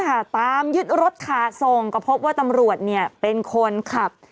ตามยึดรถขาทรงก็พบว่าตำรวจเป็นคนขับ